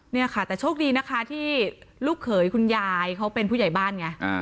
เนี่ยค่ะแต่โชคดีนะคะที่ลูกเขยคุณยายเขาเป็นผู้ใหญ่บ้านไง